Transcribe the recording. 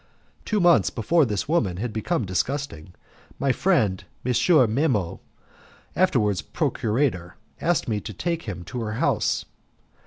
Two months before this woman had become disgusting, my friend M. Memmo, afterwards procurator, asked me to take him to her house.